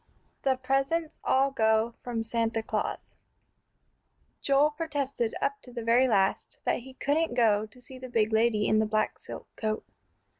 V "THE PRESENTS ALL GO FROM SANTA CLAUS" Joel protested up to the very last that he couldn't go to see the big lady in the black silk coat.